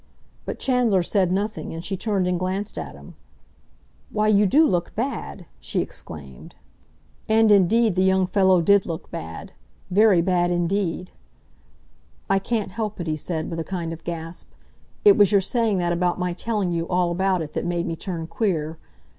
But Chandler said nothing, and she turned and glanced at him. "Why, you do look bad!" she exclaimed. And, indeed, the young fellow did look bad—very bad indeed. "I can't help it," he said, with a kind of gasp. "It was your saying that about my telling you all about it that made me turn queer.